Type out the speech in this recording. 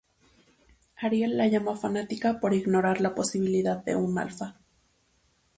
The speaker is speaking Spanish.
Ariel la llama fanática por ignorar la posibilidad de un Alfa.